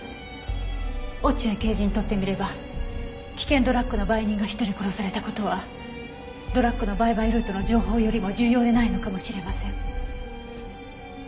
落合刑事にとってみれば危険ドラッグの売人が１人殺された事はドラッグの売買ルートの情報よりも重要でないのかもしれません。